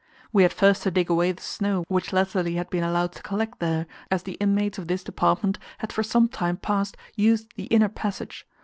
We had first to dig away the snow, which latterly had been allowed to collect there, as the inmates of this department had for some time past used the inner passage.